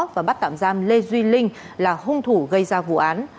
và bắt tạm giam lê duy linh là hung thủ gây ra vụ án